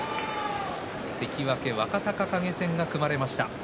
関脇若隆景戦が組まれました。